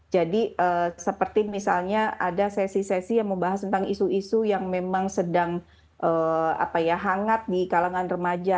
jadi seperti misalnya ada sesi sesi yang membahas tentang isu isu yang memang sedang hangat di kalangan remaja